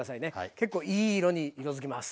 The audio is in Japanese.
結構いい色に色づきます。